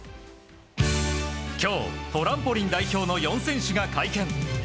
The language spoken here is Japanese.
今日、トランポリン代表の４選手が会見。